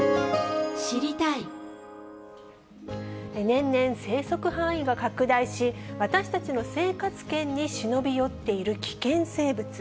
年々、生息範囲が拡大し、私たちの生活圏に忍び寄っている危険生物。